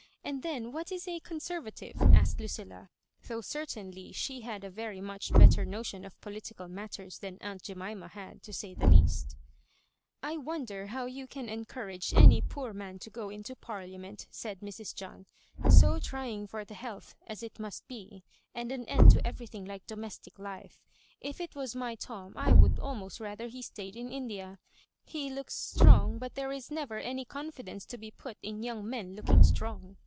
And then, ^ what is a Gonseryative?'* asked Lu cilla^ though certainly she had a very much bet ter notion of political matters than aunt Jemima had, to say the least " I wonder how you can encourage any poor man to go into Parliament," said Mrs. John; "so trying for the health as it must be, and an end to everything like domestic life. If it was my Tom I would almost rather he stayed in India. He looks strong, but there is never any confi dence to be put in young men looking strong.